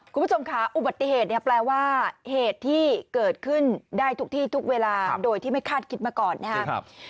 คุณผู้ชมค่ะอุบัติเหตุเนี่ยแปลว่าเหตุที่เกิดขึ้นได้ทุกที่ทุกเวลาโดยที่ไม่คาดคิดมาก่อนนะครับ